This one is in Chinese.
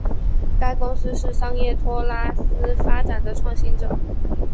该公司是商业托拉斯发展的创新者。